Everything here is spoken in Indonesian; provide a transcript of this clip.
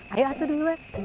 ayo atuh dulu ya